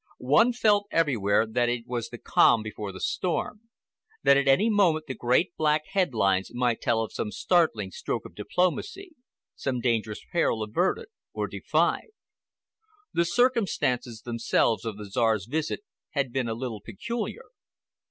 One felt everywhere that it was the calm before the storm—that at any moment the great black headlines might tell of some startling stroke of diplomacy, some dangerous peril averted or defied. The circumstances themselves of the Czar's visit had been a little peculiar.